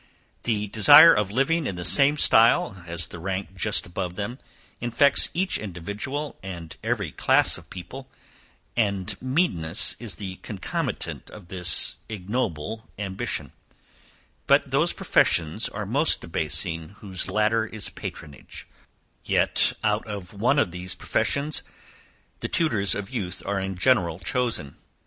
The desire of living in the same style, as the rank just above them, infects each individual and every class of people, and meanness is the concomitant of this ignoble ambition; but those professions are most debasing whose ladder is patronage; yet out of one of these professions the tutors of youth are in general chosen.